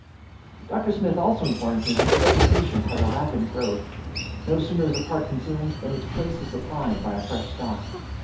Dr. Smith also informs me that the vegetation has a rapid growth; no sooner is a part consumed, than its place is supplied by a fresh stock.